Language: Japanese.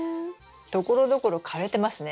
ところどころ枯れてますね。